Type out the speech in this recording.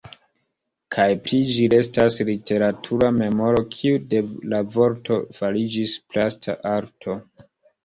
Kaj pri ĝi restas literatura memoro kiu de la vorto fariĝis plasta arto.